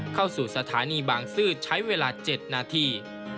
เข้าสู่สถานีบางซื่อใช้เวลา๗นาที